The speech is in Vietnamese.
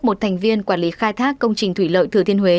một thành viên quản lý khai thác công trình thủy lợi thừa thiên huế